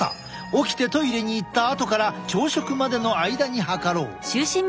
起きてトイレに行ったあとから朝食までの間に測ろう。